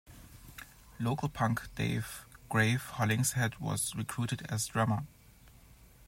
Local punk Dave 'Grave' Hollingshead was recruited as drummer.